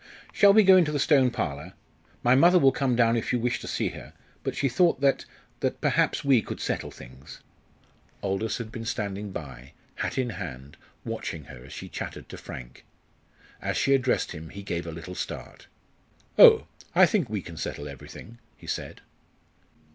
"Shall we go into the Stone Parlour? My mother will come down if you wish to see her, but she thought that that perhaps we could settle things." Aldous had been standing by, hat in hand, watching her as she chattered to Frank. As she addressed him he gave a little start. "Oh! I think we can settle everything," he said.